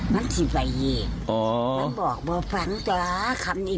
แม่เขาบอกแบบนี้